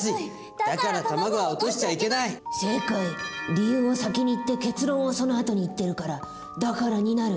理由を先に言って結論をそのあとに言ってるから「だから」になる。